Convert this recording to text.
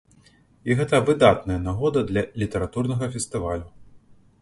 І гэта выдатная нагода для літаратурнага фестывалю!